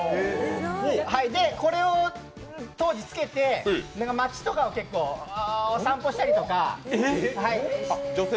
で、これを当時つけて街とかを結構、散歩したりとか。